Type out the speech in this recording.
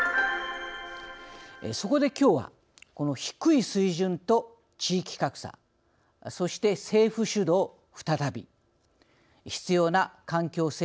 そこできょうは低い水準と地域格差そして政府主導再び必要な環境整備とは？